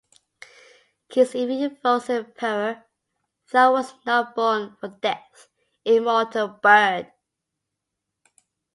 Keats even evokes an emperor: Thou was not born for death, immortal Bird!